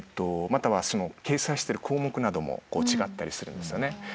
または掲載してる項目なども違ったりするんですよね。